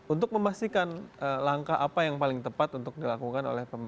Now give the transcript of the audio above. untuk memastikan langkah apa yang paling tepat untuk dilakukan oleh pemerintah